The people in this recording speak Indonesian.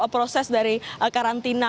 proses dari karantina